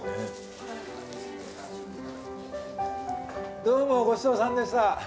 どうもごちそうさんでした。